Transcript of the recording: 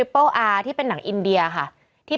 เป็นการกระตุ้นการไหลเวียนของเลือด